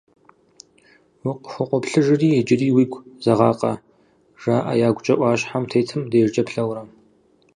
Укъыхукъуоплъыжри, иджыри уигу зэгъакъэ?! — жаӏэ ягукӏэ ӏуащхьэм тетым дежкӏэ плъэурэ.